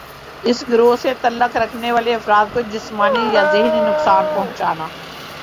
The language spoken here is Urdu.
اس گروہ سے تعلق رکھنے والے افراد کو جسمانی یا ذہنی نقصان پہنچانا